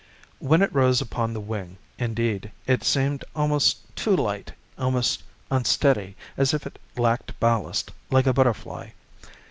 When it rose upon the wing, indeed, it seemed almost too light, almost unsteady, as if it lacked ballast, like a butterfly.